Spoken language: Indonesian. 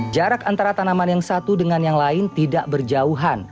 jarak antara tanaman yang satu dengan yang lain tidak berjauhan